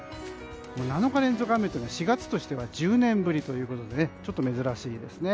もう７日連続雨は４月としては１０年ぶりということでちょっと珍しいですね。